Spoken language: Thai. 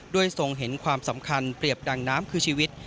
ทรงเห็นความสำคัญเปรียบดังน้ำคือชีวิต